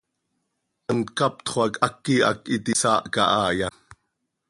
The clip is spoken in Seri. ¿Hant captxö hac háqui hac iti hsaahca haaya?